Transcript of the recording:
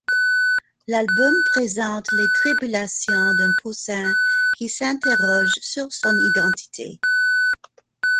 L'album présente les tribulations d'un poussin qui s'interroge sur son identité.